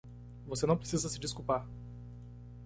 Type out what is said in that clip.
Você não precisa se desculpar.